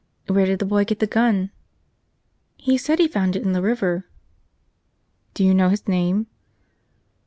"Where did the boy get the gun?" "He said he found it in the river." "Do you know his name?"